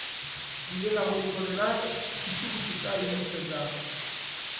Nire lagunik onena txutxu-mutxuka ibiltzen da